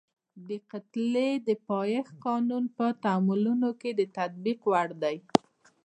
د کتلې د پایښت قانون په تعاملونو کې د تطبیق وړ دی.